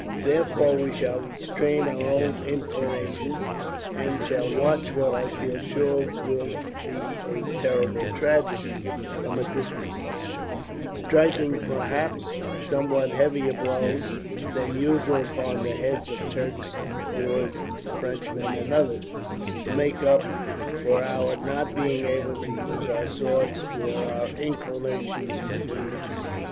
Therefore we shall restrain our own inclinations, and shall watch what I feel sure will be a terrible tragedy, from a distance; striking perhaps somewhat heavier blows than usual upon the heads of Turks, Moors, Frenchmen, and others, to make up for our not being able to use our swords where our inclinations would lead us.